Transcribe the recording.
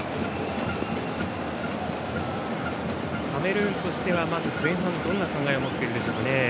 カメルーンとしてはまず前半どんな考えを持っているでしょうか。